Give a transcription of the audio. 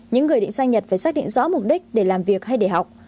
những người định sang nhật phải xác định rõ mục đích để làm việc hay để học